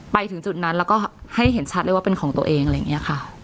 ไปถึงจุดนั้นแล้วก็ให้เห็นชัดเลยว่าเป็นของตัวเองอะไรอย่างนี้ค่ะ